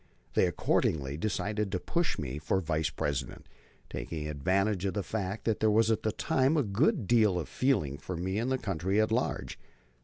They accordingly decided to push me for Vice President, taking advantage of the fact that there was at that time a good deal of feeling for me in the country at large.